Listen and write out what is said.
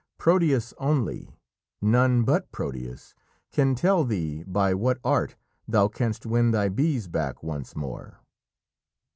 Proteus only none but Proteus can tell thee by what art thou canst win thy bees back once more."